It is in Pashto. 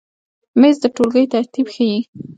مېز د ټولګۍ ترتیب ښیي.